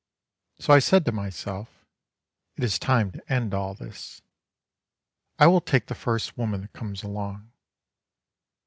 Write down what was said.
So I said to myself, it is time to end all this: I will take the first woman that comes along.